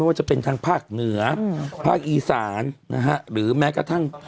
ว่าจะเป็นทางภาคเหนือภาคอีสานนะฮะหรือแม้กระทั่ง